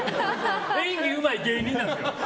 演技うまい芸人なんです。